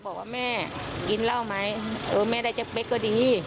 บอกว่าแม่กินเหล้าไหมเออแม่ได้จะเป๊กก็ดี